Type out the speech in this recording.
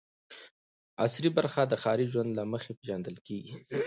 عصري برخه د ښاري ژوند له مخې پېژندل کېږي.